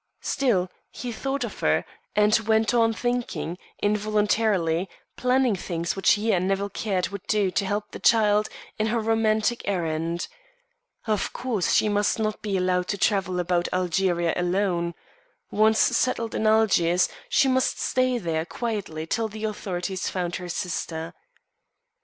Still, he thought of her, and went on thinking, involuntarily planning things which he and Nevill Caird would do to help the child, in her romantic errand. Of course she must not be allowed to travel about Algeria alone. Once settled in Algiers she must stay there quietly till the authorities found her sister.